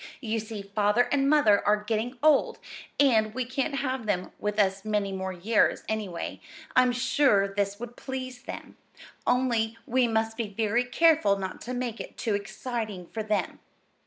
You see Father and Mother are getting old, and we can't have them with us many more years, anyway; and I'm sure this would please them only we must be very careful not to make it too exciting for them.